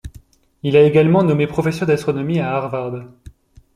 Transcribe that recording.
Il est également nommé professeur d'astronomie à Harvard.